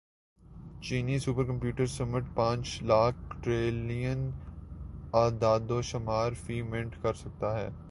چینی supercomputer summit پانچ lakh trillion اعدادوشمار فی منٹ کر سکتا ہے